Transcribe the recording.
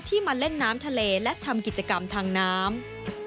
มาเล่นน้ำทะเลและทำกิจกรรมทางน้ำ